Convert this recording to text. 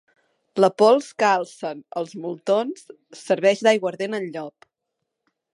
La pols que alcen els moltons serveix d'aiguardent al llop.